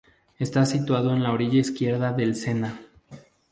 Está situado en la orilla izquierda del Sena.